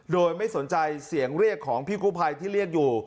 โดยไม่สนใจเสียงเรียกของพี่กู้ภัยที่เรียกอยู่